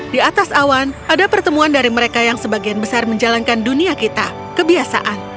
di atas awan ada pertemuan dari mereka yang sebagian besar menjalankan dunia kita kebiasaan